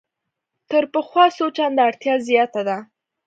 تر پخوا څو چنده اړتیا زیاته ده.